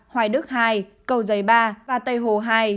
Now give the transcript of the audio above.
hoài đức hai cầu giấy ba và tây hồ hai